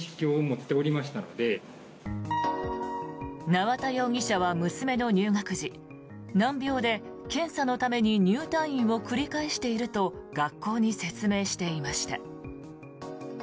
縄田容疑者は娘の入学時難病で検査のために入退院を繰り返していると学校に説明していました。